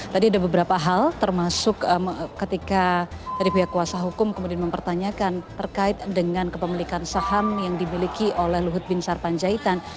tadi ada beberapa hal termasuk ketika dari pihak kuasa hukum kemudian mempertanyakan terkait dengan kepemilikan saham yang dimiliki oleh luhut bin sarpanjaitan